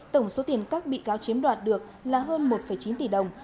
tổng số tiền các bị cáo chiếm đoạt được là hơn một chín tỷ đồng